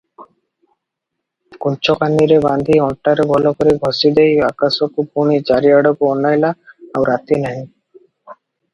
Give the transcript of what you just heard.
କୁଞ୍ଚକାନିରେ ବାନ୍ଧି ଅଣ୍ଟାରେ ଭଲ କରି ଖୋଷିଦେଇ ଆକାଶକୁ ପୁଣି ଚାରିଆଡ଼କୁ ଅନାଇଲା, ଆଉ ରାତି ନାହିଁ ।